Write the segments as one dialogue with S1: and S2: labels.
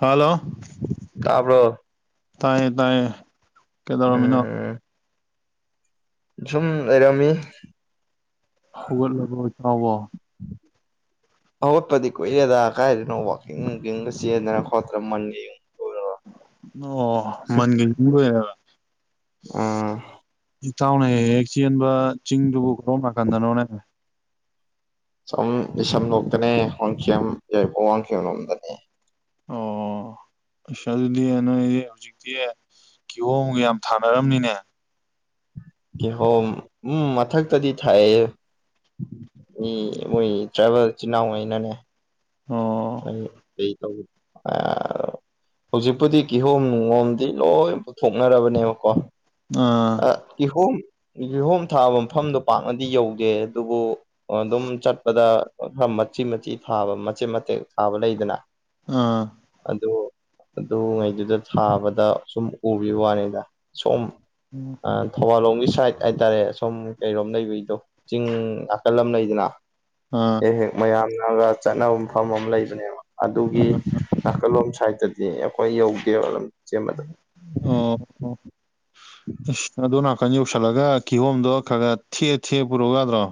S1: Hello
S2: ꯇꯥꯕ꯭ꯔꯣ
S1: ꯇꯥꯏꯌꯦ ꯇꯥꯏꯌꯦ ꯀꯩꯗꯧꯔꯝꯃꯤꯅꯣ
S2: ꯎꯝ ꯁꯨꯝ ꯂꯩꯔꯝꯃꯤ
S1: ꯍꯧꯒꯠꯂꯕ꯭ꯔꯣ ꯏꯇꯥꯎꯕꯨ
S2: ꯍꯧꯒꯣꯠꯄꯗꯤ ꯀꯨꯏꯔꯦꯗ ꯀꯥꯏꯗꯩꯅꯣ ꯋꯥꯛꯀꯤꯡ ꯅꯨꯡꯀꯤꯡꯒ ꯆꯦꯟꯗꯅ ꯈꯣꯠꯇꯅ ꯃꯟꯒ ꯌꯨꯡ
S1: ꯑꯣ ꯃꯟꯒ ꯌꯨꯡ ꯂꯣꯏꯔꯕ
S2: ꯎꯝ
S1: ꯏꯇꯥꯎꯅ ꯍꯦꯛ ꯍꯦꯛ ꯆꯦꯟꯕ ꯆꯤꯡꯗꯨꯕꯨ ꯀꯔꯣꯝ ꯅꯥꯀꯟꯗꯅꯣꯅꯦ
S2: ꯑꯁꯣꯝ ꯂꯤꯁꯝ ꯂꯣꯛꯇꯅꯦ ꯋꯥꯡꯈꯦꯝ ꯌꯥꯏꯔꯤꯄꯣꯛ ꯋꯥꯡꯈꯦꯝ ꯂꯣꯝꯗꯅꯦ
S1: ꯑꯣ ꯑꯁ ꯑꯗꯨꯗꯤ ꯅꯣꯏꯗꯤ ꯍꯧꯖꯤꯛꯇꯤ ꯀꯤꯍꯣꯝꯒ ꯌꯥꯝ ꯊꯥꯅꯔꯝꯅꯤꯅꯦ
S2: ꯀꯤꯍꯣꯝ ꯎꯝ ꯃꯊꯛꯇꯗꯤ ꯊꯥꯏꯌꯦ ꯃꯤ ꯃꯣꯏ ꯇ꯭ꯔꯥꯏꯕꯦꯜ ꯏꯆꯤꯟ ꯏꯅꯥꯎꯉꯩꯅꯅꯦ
S1: ꯑꯣ
S2: [unintelligible] ꯍꯧꯖꯤꯛꯄꯨꯗꯤ ꯀꯤꯍꯣꯝ ꯅꯨꯡꯍꯣꯝꯗꯤ ꯂꯣꯏ ꯄꯨꯊꯣꯛꯅꯔꯕꯅꯦꯕꯀꯣ ꯑ
S1: ꯑꯥ
S2: ꯀꯤꯍꯣꯝ ꯀꯤꯍꯣꯝ ꯊꯥꯕ ꯃꯐꯝꯗꯣ ꯄꯥꯛꯅꯗꯤ ꯌꯧꯗꯦ ꯑꯗꯨꯕꯨ ꯑꯣ ꯑꯗꯨꯝ ꯆꯠꯄꯗ ꯑꯃ ꯃꯆꯤꯟ ꯃꯊꯤ ꯐꯥꯕ ꯃꯆꯦꯠ ꯃꯇꯦꯠ ꯊꯥꯕ ꯂꯩꯗꯅ
S1: ꯎꯝ
S2: ꯑꯗꯨ ꯑꯗꯨꯉꯩꯗꯨꯗ ꯊꯥꯕꯗ ꯁꯨꯝ ꯎꯕꯤ ꯋꯥꯅꯤꯗ ꯁꯣꯝ
S1: ꯎꯝ
S2: ꯑ ꯊꯧꯕꯥꯜꯂꯣꯝꯒꯤ ꯁꯥꯏꯠ ꯍꯥꯏꯇꯥꯔꯦ ꯑꯁꯣꯝ ꯀꯩꯔꯣꯝ ꯂꯩꯕꯩꯗꯣ ꯆꯤꯡ ꯅꯥꯀꯜ ꯑꯃ ꯂꯩꯗꯅ
S1: ꯑꯥ
S2: ꯍꯦꯛ ꯍꯦꯛ ꯃꯌꯥꯝꯒ ꯆꯠꯅꯕ ꯃꯐꯝ ꯑꯃ ꯂꯩꯕꯅꯦꯕ ꯑꯗꯨꯒꯤ
S1: ꯑꯣ
S2: ꯅꯥꯀꯜꯂꯣꯝ ꯁꯥꯏꯗꯠꯇꯗꯤ ꯑꯩꯈꯣꯏ ꯌꯧꯗꯦꯕ ꯂꯝ ꯁꯦꯝꯕꯗ
S1: [inaudible] ꯏꯁ ꯑꯗꯣꯝ ꯅꯥꯀꯟ ꯌꯧꯁꯜꯂꯒ ꯀꯤꯍꯣꯝꯗꯣ ꯈꯒ ꯊꯦꯛꯑ ꯊꯦꯛꯑ ꯄꯨꯔꯛꯎ ꯌꯥꯗ꯭ꯔꯣ꯫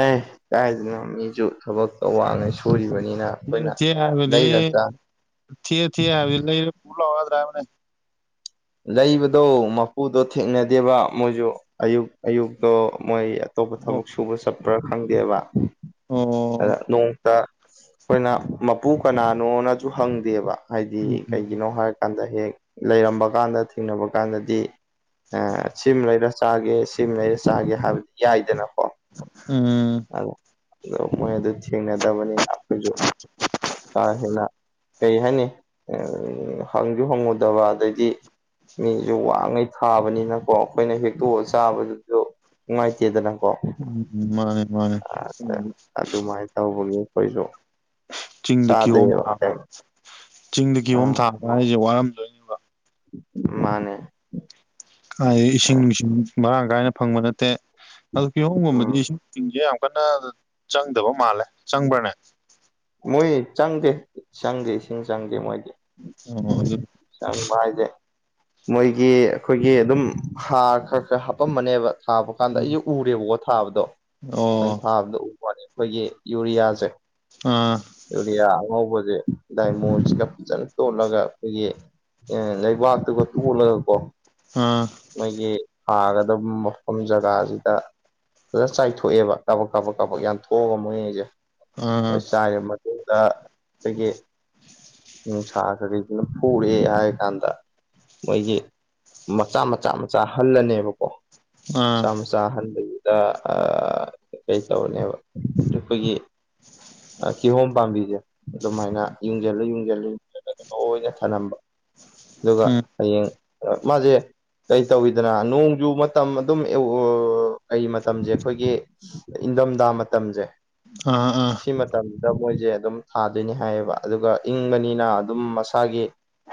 S2: ꯑꯦ ꯀꯥꯏꯗꯩꯅ ꯃꯤꯁꯨ ꯊꯕꯛꯇꯣ ꯋꯥꯅ ꯁꯨꯔꯤꯕꯅꯤꯅ꯫ ꯑꯩꯈꯣꯏꯅ
S1: ꯍꯥꯕꯗꯤ
S2: ꯂꯩꯔ ꯆꯥ
S1: ꯊꯦꯛꯑ ꯊꯦꯛꯑ ꯍꯥꯏꯕꯗꯤ ꯂꯩꯔ ꯄꯨꯔ ꯂꯥꯛꯎ ꯌꯥꯗ꯭ꯔ ꯍꯥꯏꯕꯅꯦ꯫
S2: ꯂꯩꯕꯗꯣ ꯃꯄꯨꯗꯣ ꯊꯦꯡꯅꯗꯦꯕ ꯃꯣꯏꯁꯨ ꯑꯌꯨꯛ ꯑꯌꯨꯛꯇꯣ ꯃꯣꯏ ꯑꯇꯣꯞꯄ
S1: ꯑꯣ
S2: ꯊꯕꯛ ꯁꯨꯕ ꯆꯠꯄ꯭ꯔꯥ ꯈꯪꯗꯦꯕ ꯑꯗ
S1: ꯑꯣ
S2: ꯅꯣꯡꯇ ꯑꯩꯈꯣꯏꯅ ꯃꯄꯨ ꯀꯅꯥꯅꯣꯅꯁꯨ ꯍꯪꯗꯦꯕ ꯍꯥꯏꯗꯤ
S1: ꯎꯝ
S2: ꯀꯩꯒꯤꯅꯣ ꯍꯥꯏꯔꯀꯥꯟꯗ ꯍꯦꯛ ꯂꯩꯔꯝꯕ ꯀꯥꯟꯗ ꯊꯦꯡꯅꯕ ꯀꯥꯟꯗꯗꯤ꯫ ꯑ ꯁꯤꯃ ꯂꯩꯔ ꯆꯥꯒꯦ ꯁꯤꯃ ꯂꯩꯔ ꯆꯥꯒꯦ ꯍꯥꯏꯕꯗꯤ ꯌꯥꯏꯗꯅꯀꯣ
S1: ꯎꯝ
S2: ꯑ ꯑꯗꯣ ꯃꯣꯏ ꯑꯗꯨ ꯊꯦꯡꯅꯗꯕꯅꯤꯅ ꯑꯩꯈꯣꯏꯁꯨ ꯀꯥ ꯍꯦꯟꯅ ꯀꯩ ꯍꯥꯏꯅꯤ꯫ ꯍꯪꯁꯨ ꯍꯣꯡꯉꯨꯗꯕ ꯑꯗꯩꯗꯤ ꯃꯤꯁꯨ ꯋꯥꯡꯉꯩ ꯊꯥꯕꯅꯤꯅꯀꯣ ꯑꯩꯈꯣꯏꯅ ꯍꯦꯛꯇꯣꯛꯑ ꯆꯥꯕꯗꯨꯁꯨ ꯅꯨꯡꯉꯥꯏꯇꯦꯗꯅ
S1: ꯎꯝ ꯃꯥꯅꯦ ꯃꯥꯅꯦ꯫
S2: [unintelligible] ꯇꯧꯕꯒꯤ꯫ ꯈꯣꯏꯁꯨ
S1: ꯆꯤꯡꯗ ꯀꯤꯍꯣꯝ ꯊꯥꯕ ꯆꯤꯡꯗ ꯀꯤꯍꯣꯝ
S2: ꯑꯥ
S1: ꯊꯥꯕ ꯍꯥꯏꯁꯦ ꯋꯥꯔꯝꯗꯣꯏ
S2: ꯃꯥꯅꯦ꯫
S1: ꯀꯥꯏꯗꯩ ꯏꯁꯤꯡ ꯅꯨꯡꯁꯤꯡ ꯃꯔꯥꯡ ꯀꯥꯏꯅ ꯐꯪꯕ ꯅꯠꯇꯦ ꯑꯗꯨ ꯀꯤꯍꯣꯝꯒꯨꯝꯕꯗꯤ
S2: ꯎꯝ
S1: ꯏꯁꯤꯡ [inaudible] ꯌꯥꯝ ꯀꯟꯅ ꯆꯪꯗꯕ ꯃꯥꯜꯂꯦ ꯆꯪꯕ꯭ꯔꯅꯦ꯫
S2: ꯃꯣꯏ ꯆꯪꯗꯦ ꯆꯪꯗꯦ ꯏꯁꯤꯡ ꯆꯪꯗꯦ ꯃꯣꯏꯗꯤ꯫
S1: ꯑꯣ ꯑꯗꯨ
S2: ꯆꯪꯕ ꯍꯥꯏꯁꯦ꯫ ꯃꯣꯏꯒꯤ ꯑꯩꯈꯣꯏꯒꯤ ꯑꯗꯨꯝ ꯍꯥꯔ ꯈꯔ ꯈꯔ ꯍꯥꯄꯝꯕꯅꯦꯕ ꯊꯥꯕ ꯀꯥꯟꯗ ꯑꯩꯁꯨ ꯎꯔꯦꯕꯀꯣ ꯊꯥꯕꯗꯣ ꯑꯩꯅ
S1: ꯑꯣ
S2: ꯊꯥꯕꯗ ꯎ ꯋꯥꯅꯦ꯫ ꯑꯩꯈꯣꯏꯒꯤ ꯌꯨꯔꯤꯌꯥꯁꯦ꯫
S1: ꯑꯥ
S2: ꯌꯨꯔꯤꯌꯥ ꯑꯉꯧꯕꯁꯦ ꯗꯥꯏꯃꯣꯁꯤꯒ ꯐꯖꯅ ꯇꯣꯠꯂꯒ ꯑꯩꯈꯣꯏꯒꯤ ꯑꯦ ꯂꯩꯕꯥꯛꯇꯒ ꯇꯂꯒ ꯀꯣ
S1: ꯑꯥ
S2: ꯃꯣꯏꯒꯤ ꯊꯒꯗꯕ ꯃꯐꯝ ꯖꯒꯥꯁꯤꯗ ꯐꯖꯅ ꯆꯥꯏꯊꯣꯛꯑꯦꯕ ꯀꯥꯕꯛ ꯀꯥꯕꯛ ꯀꯥꯕꯛ ꯌꯥꯝ ꯊꯣꯛꯑꯒ ꯃꯣꯏ ꯍꯥꯢꯁꯦ
S1: ꯑꯥ
S2: ꯍꯣꯏ ꯆꯥꯏꯔꯕ ꯃꯇꯨꯡꯗ ꯑꯩꯈꯣꯏꯒꯤ ꯎ ꯁꯥꯈꯩꯁꯤꯅ ꯐꯨꯔꯦ ꯍꯥꯏ ꯀꯥꯟꯗ ꯃꯣꯏꯒꯤ ꯃꯆꯥ ꯃꯆꯥ ꯃꯆꯥ ꯍꯜꯂꯅꯦꯕꯀꯣ
S1: ꯑꯥ
S2: ꯃꯆꯥ ꯃ ꯆꯥꯍꯟꯕꯗꯨꯗ ꯀꯩꯇꯧꯅꯦꯕ ꯑꯩꯈꯣꯏꯒꯤ ꯀꯤꯍꯣꯝ ꯄꯥꯝꯕꯤꯁꯦ ꯑꯗꯨꯃꯥꯏꯅ ꯌꯨꯡꯁꯤꯜꯂ ꯌꯨꯡꯁꯤꯜꯂ ꯌꯨꯡꯁꯤꯜꯂꯒ ꯂꯣꯏꯅ ꯊꯂꯝꯝꯕ ꯑꯗꯨꯒ
S1: ꯎꯝ
S2: ꯍꯌꯦꯡ ꯃꯥꯁꯦ꯫ ꯀꯩ ꯇꯧꯋꯤꯗꯅ ꯅꯣꯡꯖꯨ ꯃꯇꯝ ꯑꯗꯨꯝ ꯀꯩ ꯃꯇꯝꯁꯦ ꯑꯩꯈꯣꯏꯒꯤ ꯏꯪꯊꯣꯝꯗꯥ ꯃꯇꯝꯁꯦ꯫
S1: ꯑꯥ ꯑꯥ
S2: ꯃꯇꯝꯗ ꯃꯣꯏꯁꯦ ꯑꯗꯨꯝ ꯊꯥꯗꯣꯏꯅꯦ ꯍꯥꯏꯌꯦꯕ ꯑꯗꯨꯒ ꯏꯪꯕꯅꯤꯅ ꯑꯗꯨꯝ ꯃꯁꯥꯒꯤ꯫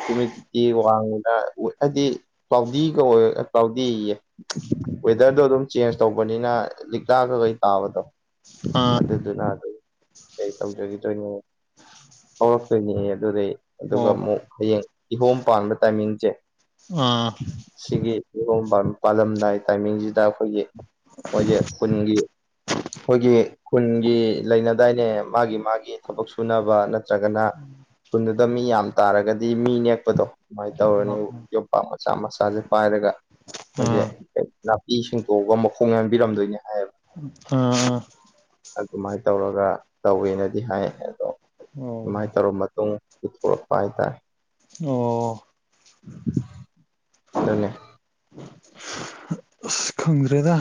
S2: ꯍ꯭ꯌꯨꯃꯤꯗꯤꯇꯤ ꯋꯥꯡꯅ ꯍꯥꯏꯗꯤ ꯀ꯭ꯂꯥꯎꯗꯤꯒ ꯑꯣꯏ ꯀ꯭ꯂꯥꯎꯗꯤꯌꯦ꯫ ꯋꯦꯗꯔꯗꯣ ꯑꯗꯨꯝ ꯆꯦꯟꯖ ꯇꯧꯕꯅꯤꯅ ꯂꯤꯛ ꯂꯥꯛꯒ ꯀꯩ ꯇꯥꯕꯗꯣ ꯑꯗꯨꯗ ꯑꯗꯨ ꯅ ꯑꯗꯨꯝ ꯀꯩ ꯇꯧꯖꯈꯤꯗꯣꯏꯅꯦ ꯍꯧꯔꯛꯇꯣꯏꯅꯦ ꯑꯗꯨꯗꯩ ꯑꯗꯨꯒ ꯑꯃꯨꯛ ꯍꯌꯦꯡ ꯏꯍꯣꯝ ꯄꯥꯟꯕ ꯇꯥꯏꯃꯤꯡꯁꯦ꯫
S1: ꯑꯥ
S2: ꯁꯤꯒꯤ ꯏꯍꯣꯡ ꯄꯥꯜꯂꯝꯗꯥꯏ ꯇꯥꯏꯃꯤꯡꯁꯤꯗ ꯑꯩꯈꯣꯏꯒꯤ꯫ ꯃꯣꯏꯒꯤ ꯈꯨꯟꯒꯤ ꯑꯩꯈꯣꯏꯒꯤ ꯈꯨꯟꯒꯤ ꯂꯩꯅ ꯗꯥꯏꯅꯦ ꯃꯥꯒꯤ ꯃꯥꯒꯤ ꯊꯕꯛ ꯁꯨꯅꯕ ꯅꯠꯇ꯭ꯔꯒꯅ ꯈꯨꯨꯟꯗꯨꯗ ꯃꯤ ꯌꯥꯝ ꯇꯥꯔꯒꯗꯤ ꯃꯤ ꯅꯦꯛꯄꯗꯣ ꯑꯗꯨꯃꯥꯏꯅ ꯇꯧꯔꯅꯤ ꯌꯣꯝꯄꯥꯛ ꯃꯆꯥ ꯃꯆꯥꯁꯦ ꯄꯥꯏꯔꯒ ꯃꯣꯏꯁꯦ
S1: ꯑꯥ
S2: ꯅꯥꯄꯤ ꯁꯦꯡꯗꯣꯛꯑꯒ ꯃꯈꯣꯡ ꯌꯥꯟꯕꯤꯔꯝꯗꯣꯏꯅꯦ ꯍꯥꯏ
S1: ꯎꯝ ꯑꯥ
S2: ꯑꯗꯨꯃꯥꯏ ꯇꯧꯔꯒ ꯇꯧꯋꯦꯅꯗꯤ ꯍꯥꯏ ꯑꯗꯣ ꯑꯗꯨꯃꯥꯏ
S1: ꯑꯣ
S2: ꯇꯧꯔ ꯃ ꯇꯨꯡ ꯄꯨꯊꯣꯔꯛꯄ ꯍꯥꯏꯇꯥꯔꯦ
S1: ꯑꯣ
S2: ꯑꯗꯨꯅꯦ
S1: [unintelligible] ꯑꯁ ꯈꯪꯗ꯭ꯔꯦꯗ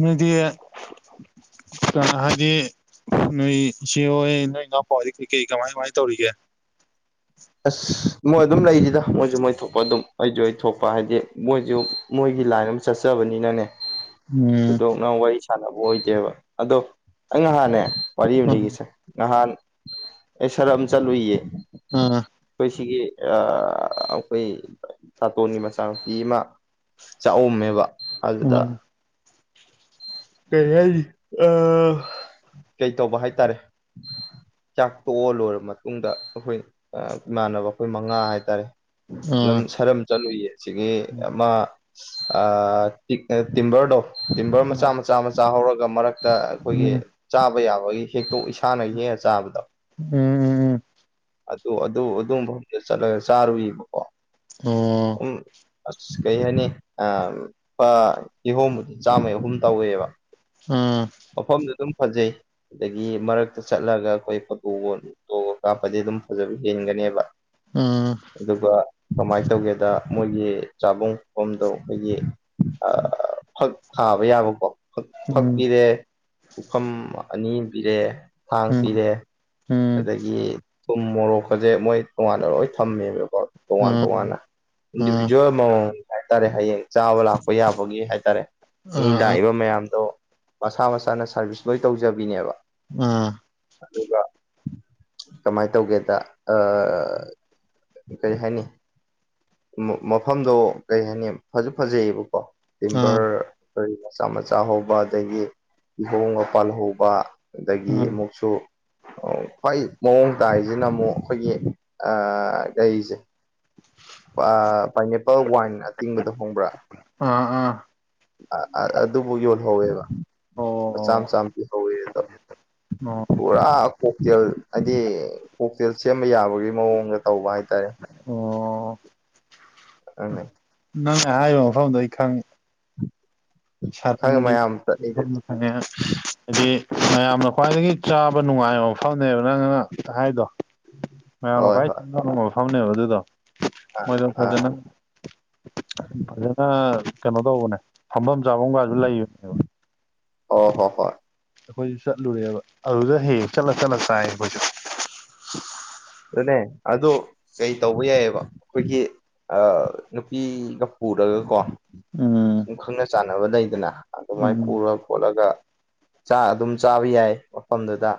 S1: ꯅꯣꯏꯗꯤ [unintelligible] ꯍꯥꯏꯗꯤ ꯅꯣꯏ ꯏꯆꯦ ꯍꯣꯏ ꯅꯣꯏ ꯏꯅꯥꯎꯄꯥ ꯍꯣꯏꯗꯤ ꯀꯩ ꯀꯩ ꯀꯃꯥꯏ ꯀꯃꯥꯏꯅ ꯇꯧꯔꯤꯒꯦ
S2: ꯑꯁ ꯃꯣꯏ ꯑꯗꯨꯝ ꯂꯩꯔꯤꯗ ꯃꯣꯏꯁꯨ ꯃꯣꯏ ꯊꯣꯛꯄ ꯑꯗꯨꯝ ꯑꯩꯁꯨ ꯑꯩ ꯊꯣꯛꯄ ꯍꯥꯏꯗꯤ ꯃꯣꯏꯁꯨ ꯃꯣꯏꯒꯤ ꯂꯥꯏꯟ ꯑꯃ ꯆꯠꯆꯕꯅꯤꯅꯅꯦ
S1: ꯎꯝ
S2: ꯊꯣꯏꯗꯣꯛꯅ ꯋꯥꯔꯤ ꯁꯥꯟꯅꯕ ꯑꯣꯏꯗꯦꯕ ꯑꯗꯣ ꯑꯩꯩ ꯅꯍꯥꯟꯅꯦ ꯋꯥꯔꯤ ꯑꯃ
S1: ꯎꯝ
S2: ꯂꯩꯒꯦꯁꯦ ꯅꯍꯥꯟ ꯑꯩ ꯁꯔꯝ ꯆꯠꯂꯨꯏꯌꯦ
S1: ꯑ
S2: ꯑꯩꯈꯣꯏ ꯁꯤꯒꯤ ꯑꯩꯈꯣꯏ ꯇꯥꯇꯣꯟꯒꯤ ꯃꯆꯥꯅꯨꯄꯤ ꯑꯃ ꯆꯥꯛꯎꯝꯃꯦꯕ ꯑꯗꯨꯗ
S1: ꯎꯝ
S2: ꯀꯩ ꯍꯥꯏꯅꯤ ꯑ ꯀꯩꯇꯧꯕ ꯍꯥꯏꯇꯥꯔꯦ ꯆꯥꯛ ꯇꯣꯛꯑ ꯂꯣꯏꯔꯕ ꯃꯇꯨꯡꯗ ꯑꯩꯈꯣꯏ ꯏꯃꯥꯟꯅꯕ ꯑꯩꯈꯣꯏ ꯃꯉꯥ ꯍꯥꯏꯇꯥꯔꯦ
S1: ꯑ
S2: ꯂꯝ
S1: ꯎꯝ
S2: ꯁꯔꯝ ꯆꯠꯂꯨꯏ ꯑꯁꯤꯒꯤ ꯑꯃ ꯑ ꯇꯤꯛ ꯇꯤꯝꯕꯔꯗꯣ ꯇꯤꯝꯕꯔ ꯃꯆꯥ ꯃꯆꯥ ꯃꯆꯥ ꯍꯧꯔꯒ ꯃꯔꯛ ꯇ ꯑꯩꯈꯣꯏꯒꯤ
S1: ꯎꯝ
S2: ꯆꯥꯕ ꯌꯥꯕꯒꯤ ꯍꯦꯛꯇꯣ [unintelligible] ꯏꯁꯥꯅ ꯍꯦꯛꯑ ꯆꯥꯕꯗꯣ ꯑꯗꯨ ꯑꯗꯨ ꯑꯗꯨ ꯃꯐꯝꯗꯨꯗ ꯆꯠꯂꯒ ꯆꯥꯔꯨꯏꯕꯀꯣ
S1: ꯑꯣ
S2: ꯑꯁ ꯀꯩ ꯍꯥꯏꯅꯤ ꯂꯨꯄꯥ ꯀꯤꯍꯣꯝꯕꯨꯗ ꯆꯥꯝꯃꯩ ꯑꯍꯨꯝ ꯇꯧꯋꯦꯕ
S1: ꯎꯝ
S2: ꯃꯐꯝꯗꯨ ꯑꯗꯨꯝ ꯐꯖꯩ ꯑꯗꯒꯤ ꯃꯔꯛꯇ ꯆꯠꯂꯒ ꯑꯩꯈꯣꯏ ꯐꯣꯇꯣ ꯐꯣꯇꯣꯒ ꯀꯥꯞꯄꯗꯤ ꯑꯗꯨꯝ ꯐꯖꯕ ꯍꯦꯟꯒꯅꯤꯕ
S1: ꯎꯝ
S2: ꯑꯗꯨꯒ ꯀꯃꯥꯏꯅ ꯇꯧꯒꯦꯗ ꯃꯣꯏꯒꯤ ꯆꯥꯕꯝ ꯐꯝꯗꯣ ꯑꯩꯈꯣꯏꯒꯤ ꯐꯛ ꯊꯥꯕ ꯌꯥꯕꯀꯣ
S1: ꯎꯝ
S2: ꯐꯛꯄꯤꯔꯦ ꯄꯨꯐꯝ ꯑꯅꯤ ꯄꯤꯔꯦ ꯊꯥꯡ
S1: ꯎꯝ
S2: ꯄꯤꯔꯦ
S1: ꯎꯝ
S2: ꯑꯗꯒꯤ ꯊꯨꯝ ꯃꯣꯔꯣꯛꯀꯁꯦ ꯃꯣꯏ ꯇꯣꯉꯥꯟꯅ ꯂꯣꯏ ꯊꯝꯃꯦꯕꯀꯣ ꯇꯣꯉꯥꯟ
S1: ꯑ ꯑ ꯑ
S2: ꯇꯣꯉꯥꯟꯅ ꯏꯟꯗꯤꯕꯤꯖꯨꯋꯦꯜ [unintelligible] ꯍꯥꯏꯇꯥꯔꯦ ꯍꯌꯦꯡ ꯆꯥꯕ ꯂꯥꯛꯄ ꯌꯥꯕꯒꯤ ꯍꯥꯏꯇꯥꯔꯦ ꯃꯤ ꯂꯥꯛꯏꯕ ꯃꯌꯥꯝꯗꯣ ꯃꯁꯥ ꯃꯁꯥꯅ ꯁꯥꯔꯚꯤꯁ ꯂꯣꯏ ꯇꯧꯖꯕꯤꯅꯦꯕ
S1: ꯎꯝ
S2: ꯑꯗꯨꯒ ꯀꯃꯥꯏꯅ ꯇꯧꯒꯦꯗ ꯑ ꯀꯩ ꯍꯥꯏꯅꯤ ꯃꯐꯝꯗꯣ ꯀꯩ ꯍꯥꯏꯅꯤ ꯐꯖꯨ ꯐꯖꯩꯌꯦꯕꯀꯣ
S1: ꯑ
S2: ꯇꯤꯝꯕꯔ ꯀꯔꯤ ꯃꯆꯥ ꯃꯆꯥ ꯍꯧꯕ ꯑꯗꯒꯤ ꯀꯤꯍꯣꯝꯒ ꯄꯥꯜꯍꯧꯕ ꯑꯗꯒꯤ
S1: ꯑ
S2: ꯑꯃꯨꯛꯁꯨ ꯈ꯭ꯋꯥꯏ ꯃꯑꯣꯡ ꯇꯥꯏꯁꯤꯅ ꯑꯃꯨꯛ ꯑꯩꯈꯣꯏꯒꯤ ꯀꯩꯁꯦ ꯄꯥꯏꯅꯦꯄꯜ ꯋꯥꯏꯟ ꯑꯇꯤꯡꯕꯗꯣ ꯈꯪꯕ꯭ꯔꯥ
S1: ꯑ
S2: ꯑꯗꯨꯕꯧ ꯌꯣꯜꯍꯧꯋꯦꯕ
S1: ꯑꯣ
S2: ꯂꯨꯄꯥ ꯆꯥꯝ
S1: ꯑꯣ
S2: ꯆꯥꯝ ꯄꯤ ꯍꯧꯋꯦ ꯑꯗꯣ ꯄꯨꯔꯥ ꯀꯣꯛꯇꯦꯜ ꯍꯥꯏꯗꯤ ꯀꯣꯛꯇꯦꯜ ꯁꯦꯝꯕ ꯌꯥꯕꯒꯤ ꯃꯑꯣꯡꯗ ꯇꯧꯕ ꯍꯥꯏꯇꯥꯔꯦ
S1: ꯑꯣ
S2: ꯎꯝ
S1: ꯅꯪꯅ ꯍꯥꯏꯔꯤꯕ ꯃꯐꯝꯗ ꯑꯩ ꯈꯪꯉꯦ
S2: ꯈꯪꯉꯦ
S1: ꯁꯔꯨꯡꯒꯤ
S2: ꯃꯌꯥꯝ ꯆꯠꯂꯤꯗꯨꯗꯤ
S1: ꯃꯁ ꯍꯥꯏꯗꯤ ꯃꯌꯥꯝꯅ ꯈ꯭ꯋꯥꯏꯗꯒꯤ ꯆꯥꯕ ꯅꯨꯡꯉꯥꯏꯕ ꯃꯐꯝꯅꯦꯕ ꯅꯪꯅ ꯍꯥꯏꯗꯣ ꯃꯌꯥꯝꯅ
S2: ꯍꯣꯏ
S1: ꯀꯥꯏ
S2: ꯍꯣꯏ
S1: ꯐꯝꯅ ꯑꯗꯨꯗ
S2: ꯑꯥ
S1: ꯃꯣꯏ
S2: ꯑꯥ
S1: ꯐꯖꯅ ꯐꯖꯅ ꯀꯩꯅꯣ ꯇꯧꯕꯅꯦ ꯐꯝꯐꯝ ꯆꯥꯐꯝꯒꯁꯨ ꯂꯩꯕꯅꯦꯕ
S2: ꯑꯣ ꯍꯣ ꯍꯣꯏ
S1: ꯑꯩꯈꯣꯏꯁꯨ ꯆꯠꯂꯨꯔꯦꯕ ꯑꯗꯨꯗ ꯍꯦꯛ ꯆꯠꯂ ꯆꯠꯂ ꯆꯥꯏ ꯑꯩꯈꯣꯏꯁꯨ
S2: ꯑꯗꯨꯅꯦ ꯑ ꯀꯩ ꯇꯧꯕ ꯌꯥꯏꯌꯦꯕ ꯑꯩꯈꯣꯏꯒꯤ ꯅꯨꯄꯤꯒ ꯄꯨꯔꯒꯀꯣ
S1: ꯎꯝ
S2: ꯁꯨꯝ ꯈꯪꯅ ꯆꯥꯅ ꯁꯥꯟꯅꯕ ꯂꯩꯗꯅ ꯑꯗꯨꯃꯥꯏꯅ
S1: ꯎꯝ
S2: ꯄꯨꯔ ꯈꯣꯠꯂꯒ ꯆꯥꯛ ꯑꯗꯨꯝ ꯆꯥꯕ ꯌꯥꯏ ꯃꯐꯝꯗꯨꯗ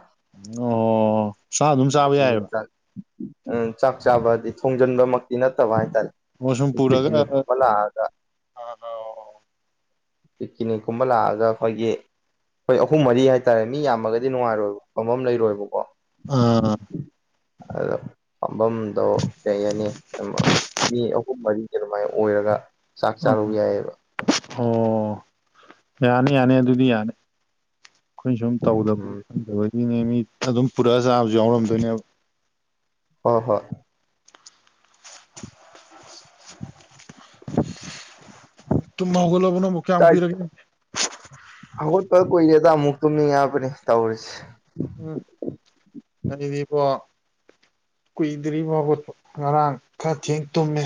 S1: ꯑꯣ ꯆꯥ ꯑꯗꯨꯝ ꯆꯥꯕ
S2: ꯑꯗꯒꯤ
S1: ꯌꯥꯏꯑꯕ
S2: ꯎ ꯆꯥꯛ ꯆꯥꯕꯗꯤ ꯊꯣꯡꯖꯤꯟꯕꯃꯛꯇꯤ ꯅꯠꯇꯕ ꯍꯥꯏꯇꯥꯔꯦ
S1: ꯑꯣ ꯁꯨꯝ
S2: ꯄꯤꯛꯅꯤꯛ
S1: ꯄꯨꯔꯒ
S2: ꯒꯨꯝꯕ ꯂꯥꯛꯑꯒ
S1: [unintelligible]
S2: ꯄꯤꯀꯤꯅꯤꯛꯀꯨꯝꯕ ꯂꯥꯛꯑꯒ ꯑꯩꯈꯣꯏꯒꯤ ꯍꯣꯏ ꯑꯍꯨꯝ ꯃꯔꯤ ꯍꯥꯏꯇꯥꯔꯦ ꯃꯤ ꯌꯥꯝꯃꯒꯗꯤ ꯅꯨꯡꯉꯥꯏꯔꯣꯏꯕ ꯐ ꯑꯃ ꯂꯩꯔꯣꯏꯕꯀꯣ
S1: ꯑ
S2: ꯑꯗꯣ ꯐꯥꯝꯕꯝꯗꯣ ꯀꯩ ꯍꯥꯏꯅꯤ ꯃꯤ ꯑꯍꯨꯝ ꯃꯔꯤ ꯑꯗꯨꯃꯥꯏꯅ ꯑꯣꯏꯔꯒ ꯆꯥꯛ ꯆꯥꯔꯨ ꯌꯥꯏꯑꯕ
S1: ꯑꯣ ꯌꯥꯅꯤ ꯌꯥꯅꯤ ꯑꯗꯨꯗꯤ ꯌꯥꯅꯤ ꯑꯩꯈꯣꯏꯅ ꯁꯨꯝ ꯇꯧꯗꯕꯨ
S2: ꯎꯝ
S1: ꯇꯗꯤꯅꯦ ꯃꯤ ꯑꯗꯨꯝ ꯄꯨꯔꯛꯑ ꯆꯥꯕꯁꯨ ꯌꯥꯎꯔꯝꯗꯣꯏꯅꯦꯕ
S2: ꯍꯣꯏ ꯍꯣꯏ
S1: ꯇꯨꯝ ꯍꯧꯒꯠꯂꯥꯕꯣ ꯀꯌꯥꯝ
S2: ꯆꯥꯛ
S1: ꯀꯨꯏꯔꯒꯦ
S2: ꯍꯧꯒꯠꯄ ꯀꯨꯏꯔꯦꯗ ꯑꯃꯨꯛ ꯇꯨꯝꯅꯤꯡꯉꯛꯕꯅꯦ ꯇꯧꯔꯤꯁꯦ
S1: ꯎꯝꯗꯤꯕꯣ ꯀꯨꯏꯗ꯭ꯔꯤ ꯐꯥꯎꯕ ꯉꯔꯥꯡ ꯈꯔ ꯊꯦꯡ ꯇꯨꯝꯃꯦ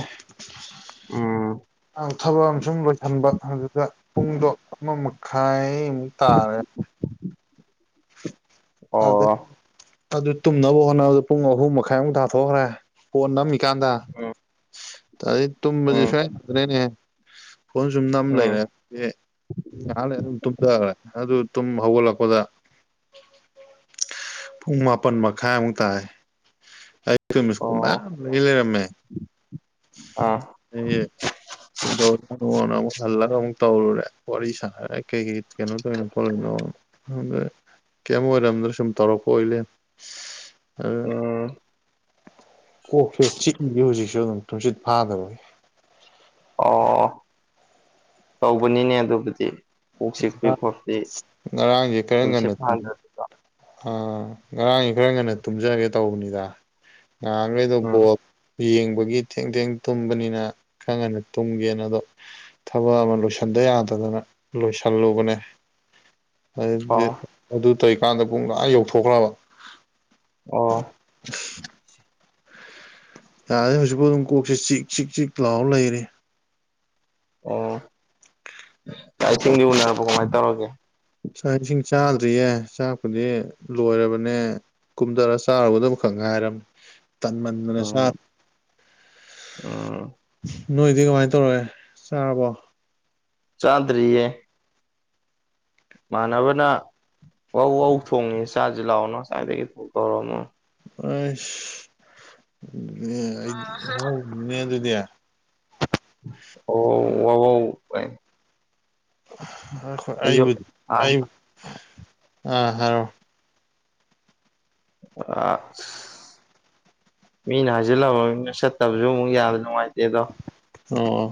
S2: ꯎꯝ
S1: ꯊꯕꯛ ꯑ ꯁꯨꯝ ꯂꯣꯏꯁꯤꯟꯕ ꯑꯗꯨꯗ ꯄꯨꯡꯗꯣ ꯑꯃ ꯈ ꯇꯥꯔꯦ ꯑꯗꯩ
S2: ꯑꯣ
S1: ꯑꯗꯨ ꯇꯨꯝꯅꯕ ꯍꯣꯠꯅꯕꯗ ꯄꯨꯡ ꯑꯍꯨꯝ ꯃꯈꯥꯏꯃꯨꯛ ꯊꯥꯊꯣꯛꯈ꯭ꯔꯦ ꯄꯣꯟ ꯅꯝ ꯀꯥꯟꯗ
S2: ꯎꯝ
S1: ꯑꯗꯗꯒꯤ ꯇꯨꯝꯁ
S2: ꯎꯝ
S1: ꯁꯨꯋꯥ ꯌꯥꯗ꯭ꯔꯦꯅꯦꯍ ꯐꯣꯟ ꯁꯨꯝ ꯅꯝ
S2: ꯎꯝ
S1: ꯂꯩꯔꯦ ꯉꯍꯥꯟ ꯂꯩ ꯑꯗꯨꯝ ꯇꯨꯝꯊꯈꯔꯦ ꯑꯗꯨ ꯇꯨꯝ ꯍꯧꯒꯠꯂꯛꯄꯗ ꯎꯨꯡ ꯃꯥꯄ ꯃ ꯈꯥꯏ ꯎ ꯇꯥꯏ ꯀꯃꯤꯁꯀꯣ ꯃꯥ
S2: ꯑꯣ
S1: ꯂꯩ ꯂꯩꯔꯝꯃꯦ
S2: ꯑꯥ
S1: ꯑꯩ ꯀꯩꯗꯧꯅꯣꯅ ꯑꯃꯨꯛ ꯍꯜꯂꯒ ꯑꯃꯨꯛ ꯇꯧꯔꯨꯔꯦ ꯋꯥꯔꯤ ꯁꯥꯔꯦ ꯀꯩꯀꯩ ꯀꯩꯅꯣ ꯇꯧꯔꯤꯅꯣ ꯈꯣꯠꯂꯤꯏꯅꯣ ꯑꯗ ꯀꯩꯝ ꯑꯣꯏꯔꯝꯗ ꯁꯨꯝ ꯇꯧꯔꯛꯄ ꯑꯣꯏꯂꯦꯝ ꯑꯗꯨꯅ
S2: ꯎꯝ
S1: ꯀꯣꯛꯁꯤꯗ ꯆꯤꯛꯂꯤꯁꯤ ꯍꯧꯖꯤꯛꯁꯨ ꯑꯗꯨꯝ ꯊꯨꯝꯆꯠ ꯐꯥꯗꯔꯒꯤ
S2: ꯑꯣ ꯇꯧꯕꯅꯤꯅꯦ ꯑꯗꯨꯕꯨꯗꯤ ꯀꯣꯛ ꯆꯤꯛꯄꯤ
S1: ꯑ
S2: ꯈꯣꯠꯄꯤ
S1: ꯉꯔꯥꯡꯁꯦ ꯀꯔꯝ
S2: ꯇꯨꯝꯁꯤꯠ
S1: ꯀꯥꯟ
S2: ꯐꯥꯗꯕꯤꯗꯣ
S1: ꯑꯥ ꯉꯔꯥꯡꯁꯤ ꯈꯔ ꯉꯟꯅ ꯇꯨꯝꯖꯔꯒꯦ ꯇꯧꯕꯅꯤꯗ ꯉꯍꯥꯡꯈꯩꯗꯣ
S2: ꯎꯝ
S1: ꯒꯣꯜ ꯌꯦꯡꯕꯒꯤ ꯊꯦꯡ ꯊꯦꯡ ꯇꯨꯝꯕꯅꯤꯅ ꯈꯔ ꯀꯟꯅ ꯇꯨꯝꯒꯦꯅꯗꯣ ꯊꯕꯛ ꯑꯃ ꯂꯣꯏꯁꯤꯟꯕ ꯌꯥꯗꯗꯅ ꯂꯣꯏꯁꯤꯜꯂꯨꯕꯅꯦ ꯑꯗꯨꯗꯤ
S2: ꯑꯣ
S1: ꯑꯗꯨ ꯇꯧꯔꯤꯀꯥꯟꯗ ꯄꯨꯡ ꯂꯥ ꯌꯧꯊꯣꯛꯈ꯭ꯔꯕ
S2: ꯑꯣ
S1: [unintelligible] ꯌꯥꯔꯅꯤ ꯍꯧꯖꯤꯛꯐꯥꯎ ꯑꯗꯨꯝ ꯀꯣꯛꯁꯦ ꯆꯤꯛ ꯆꯤꯛ ꯆꯤꯛ ꯂꯥꯎ ꯂꯩꯔꯤ
S2: ꯑꯣ ꯆꯥꯏ ꯏꯁꯤꯡꯒꯤ ꯎꯅꯔꯕ ꯀꯃꯥꯏꯅ ꯇꯧꯔꯒꯦ
S1: ꯆꯥꯛ ꯏꯁꯤꯡ ꯆꯥꯗ꯭ꯔꯤꯌꯦ ꯆꯥꯛꯄꯨꯗꯤ ꯂꯣꯏꯔꯕꯅꯦ ꯀꯨꯝꯊꯔꯒ ꯆꯥꯔꯨꯕꯗ ꯑꯃꯈꯛ ꯉꯥꯏꯔꯝꯃꯤ ꯇꯟꯃꯟꯗꯅ ꯁꯥ
S2: ꯎꯝ ꯎꯝ
S1: ꯅꯣꯏꯗꯤ ꯀꯃꯥꯏꯅ ꯇꯧꯔꯒꯦ ꯆꯥꯔꯕꯣ
S2: ꯆꯥꯟꯗꯔꯤꯌꯦ ꯃꯥꯟꯅꯕꯅ ꯧ ꯧ ꯊꯣꯡꯉꯤ ꯆꯥꯁꯤ ꯂꯥꯛꯑꯣꯅ ꯉꯋꯥꯥꯏꯏꯗꯒꯤ ꯊꯣꯡ ꯀꯧꯔꯃꯣ
S1: ꯑꯩ ꯍꯣꯏꯅꯦ ꯑꯗꯨꯗꯤ
S2: ꯑꯣ ꯑꯣ
S1: ꯈꯣꯏ
S2: ꯑꯩꯁꯨ
S1: ꯑꯩꯕꯨ
S2: ꯑꯥ
S1: ꯑꯩꯕꯨ ꯑꯥ ꯍꯥꯏꯔꯣ
S2: ꯑ ꯃꯤꯅ ꯍꯥꯏꯖꯤꯜꯂꯕꯅꯤꯅ ꯆꯠꯇꯕꯁꯨ ꯑꯃꯨꯛ ꯌꯥꯗ ꯅꯨꯡꯉꯥꯏꯇꯦ ꯑꯗꯣ
S1: ꯑꯣꯝ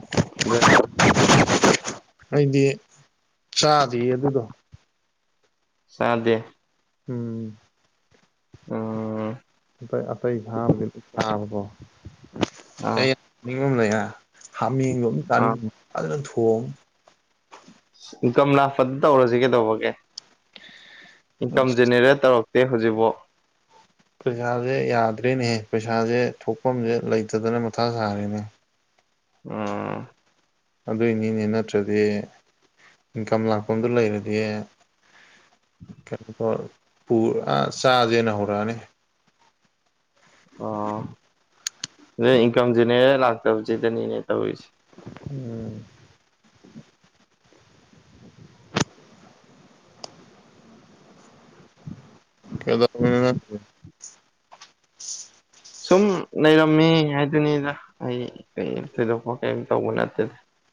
S1: ꯑꯩꯗꯤ ꯆꯥꯗ ꯑꯗꯨꯗꯣ
S2: ꯁꯥꯗꯦ
S1: ꯎꯝ
S2: ꯑ
S1: ꯑ ꯑꯇꯩꯇꯩ ꯁꯥꯕ
S2: ꯑꯥ
S1: ꯑꯩ ꯅꯤꯡꯉꯝ ꯂꯩ ꯍꯥꯃꯦꯡꯕꯣ ꯑꯃꯝ
S2: ꯑꯥ
S1: ꯆꯥꯅꯤꯡ ꯑꯗꯨꯅ ꯊꯣꯡ
S2: ꯒꯝꯂꯥ ꯐꯠ ꯇꯧꯔꯁꯤ ꯀꯩꯗꯧꯕꯒꯦ ꯏꯟꯀꯝ
S1: ꯑꯁ
S2: ꯖꯦꯅꯦꯔꯦꯠ ꯇꯧꯔꯛꯇꯦ ꯍꯧꯖꯤꯛꯐꯥꯎ
S1: ꯄꯩꯁꯥꯁꯦ ꯌꯥꯗ꯭ꯔꯦꯅꯦꯍ ꯄꯩꯁꯥꯁꯦ ꯊꯣꯛꯐꯝꯁꯦ ꯂꯩꯇꯗꯅ ꯃꯊꯥ ꯁꯥꯔꯤꯦꯅꯦ
S2: ꯎꯝ
S1: ꯑꯗꯨꯏꯅꯤꯅꯦ ꯅꯠꯇ꯭ꯔꯗꯤ ꯏꯟꯀꯝ ꯂꯥꯛꯄꯗꯨ ꯂꯩꯔꯗꯤ ꯀꯩꯅꯣꯣ ꯑꯥ ꯆꯥꯖꯦꯅ ꯍꯧꯔꯛꯑꯅꯤ
S2: ꯑꯣ ꯑꯗꯨꯗꯩ ꯏꯟꯀꯝ ꯖꯦꯅꯦꯔꯦ ꯂꯥꯛꯇꯕꯁꯤꯗꯅꯤꯅꯦ ꯇꯧꯔꯤꯁꯦ
S1: ꯎꯝ ꯀꯗ
S2: ꯁꯨꯝ ꯂꯩꯔꯝꯃꯦ ꯍꯥꯏꯗꯨꯅꯤꯗ ꯑꯩ ꯀꯩ ꯊꯣꯏꯗꯣꯛꯄ ꯀꯩꯝ ꯇꯧꯕ ꯅꯠꯇꯦ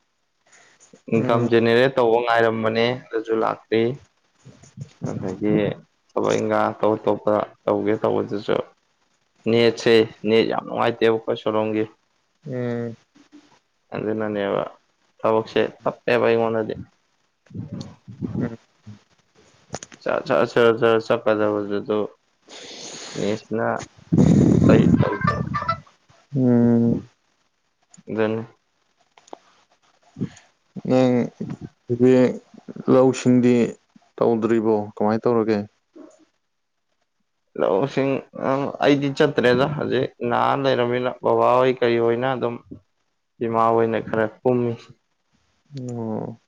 S1: [unintelligible]
S2: ꯏꯟꯀꯝ ꯖꯦꯅꯦꯔꯦꯠ ꯇꯧꯕ ꯉꯥꯏꯔꯝꯕꯅꯦ ꯑꯗꯨꯁꯨ ꯂꯥꯛꯇ꯭ꯔꯤ ꯑꯗꯒꯤ ꯊꯕꯛ ꯏꯪꯈ ꯑꯇꯣꯞ ꯑꯇꯣꯞꯄ ꯇꯧꯒꯦ ꯇꯧꯕꯗꯨꯁꯨ ꯅꯦꯠꯁꯦ ꯅꯦꯠ ꯌꯥꯝ ꯅꯨꯡꯉꯥꯏꯇꯦꯕ ꯑꯩꯈꯣꯏ ꯁꯣꯂꯣꯝꯒꯤ
S1: ꯎꯝ
S2: ꯑꯗꯨꯅꯅꯦꯕ ꯊꯕꯛꯁꯦ ꯇꯞꯄꯦꯕ ꯑꯩꯉꯣꯟꯗꯗꯤ
S1: ꯎꯝ
S2: ꯆꯔ ꯆꯠꯀꯗꯕꯗꯗꯣ ꯅꯅꯤꯁꯅꯥ ꯄꯩ
S1: ꯎꯝ
S2: ꯑꯗꯨꯅꯤ [unintelligible]
S1: ꯍꯧꯖꯤꯛ ꯂꯧꯁꯤꯡꯗꯤ ꯇꯧꯗ꯭ꯔꯤꯕꯣ ꯀꯃꯥꯏꯅ ꯇꯧꯔꯒꯦ
S2: ꯂꯧꯁꯤꯡ ꯑꯩꯗꯤ ꯆꯠꯇ꯭ꯔꯦꯗ ꯍꯧꯖꯤꯛ ꯅꯍ ꯂꯩꯔꯝꯃꯤꯅ ꯕꯕꯥ ꯍꯣꯏ ꯀꯩ ꯑꯣꯏꯅ ꯑꯗꯨꯝ ꯏꯃꯥ ꯑꯣꯏꯅ ꯈꯔ ꯀꯨꯝꯃꯤ
S1: ꯑꯣ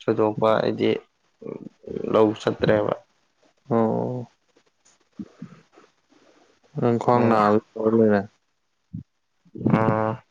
S2: ꯊꯣꯏꯗꯣꯛꯄ ꯍꯥꯏꯗꯤ ꯂꯧ ꯆꯠꯇ꯭ꯔꯦꯕ
S1: ꯑꯣ
S2: ꯎꯝ
S1: ꯑꯣꯔꯂꯅ
S2: ꯑ